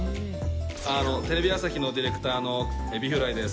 あのテレビ朝日のディレクターのエビフライです。